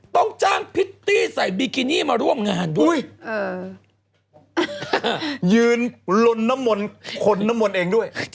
ต้องจ้างพิธีใส่บิกินี่มาร่วมงานด้วย